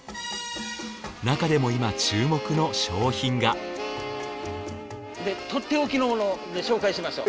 なかでも今注目の商品がとっておきのもの紹介しましょう。